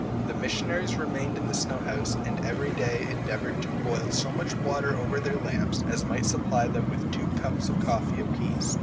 The missionaries remained in the snowhouse, and every day endeavoured to boil so much water over their lamps, as might supply them with two cups of coffee a piece.